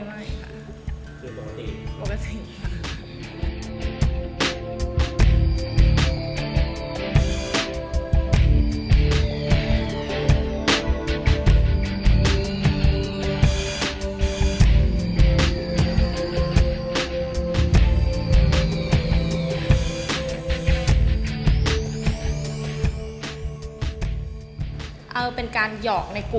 มันเป็นอะไรนะ